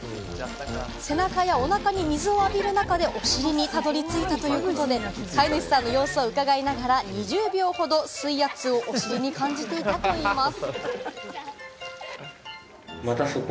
背中やおなかに水を浴びる中でお尻にたどり着いたということで、飼い主さんの様子を伺いながら、２０秒ほど水圧をお尻に感じていたといいます。